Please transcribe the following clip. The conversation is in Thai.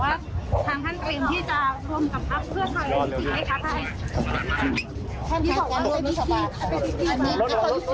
ว่าทางท่านกลิ่นที่จะร่วมกับครับเครือไทยเลยครับ